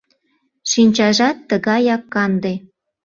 Шинчажат тыгаяк канде».